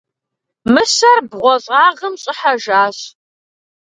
Мыщэр бгъуэщӏагъым щӏыхьэжащ.